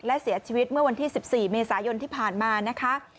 และเสียชีวิตเมื่อวันที่๑๔เมษายนที่ผ่านมานะคะ